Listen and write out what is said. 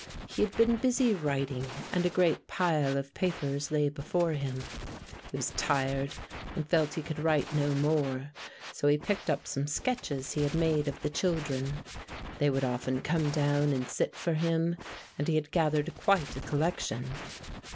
He had been busy writing and a great pile of papers lay before him. He was tired and felt he could write no more, so he picked up some sketches he had made of the children. They would often come down and sit for him and he had gathered quite a collection.